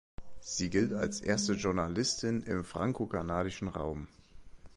Sie gilt als die erste Journalistin im frankokanadischen Raum.